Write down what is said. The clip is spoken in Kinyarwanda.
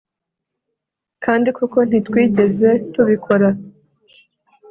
Kandi koko ntitwigeze tubikora